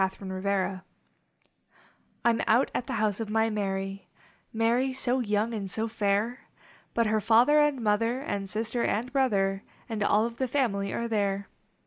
ELOPEMENT I m out at the home of my Mary, Mary so young and so fair, But her father and mother And sister and brother And all of the family are there.